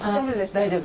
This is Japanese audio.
大丈夫。